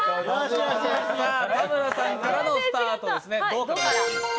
田村さんからのスタートです、ドから。